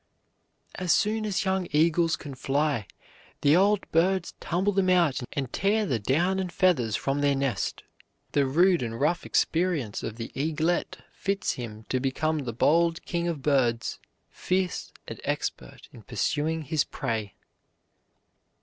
As soon as young eagles can fly the old birds tumble them out and tear the down and feathers from their nest. The rude and rough experience of the eaglet fits him to become the bold king of birds, fierce and expert in pursuing his prey.